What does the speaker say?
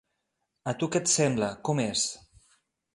A tu què et sembla, com és?